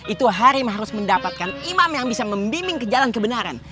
itu harim harus mendapatkan imam yang bisa membimbing ke jalan kebenaran